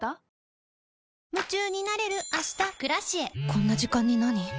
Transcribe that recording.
こんな時間になに？